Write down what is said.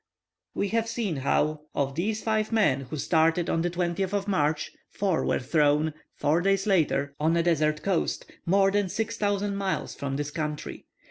We have seen how, of these five men, who started on the 20th of March, four were thrown, four days later, on a desert coast, more than 6,000 miles from this country.